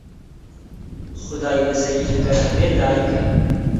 خودای بەزەیی ئەگەر هەبێ دایکە